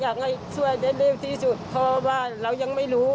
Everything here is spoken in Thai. อยากให้ช่วยได้เร็วที่สุดเพราะว่าเรายังไม่รู้